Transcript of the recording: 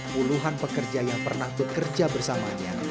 puluhan pekerja yang pernah bekerja bersamanya